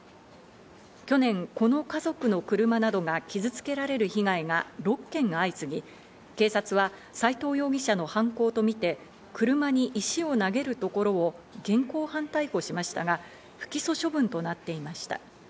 去年、この家族の車などが傷付けられる被害が６件相次ぎ、警察は斎藤容疑者の犯行とみて車に石を投げるところを現行犯逮捕しましたが、不起訴処分となっていました。